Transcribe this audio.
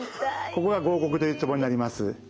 ここが合谷というツボになります。